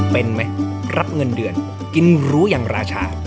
เป็นไหมรับเงินเดือนกินรู้อย่างราชา